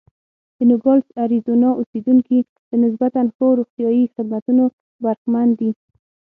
د نوګالس اریزونا اوسېدونکي له نسبتا ښو روغتیايي خدمتونو برخمن دي.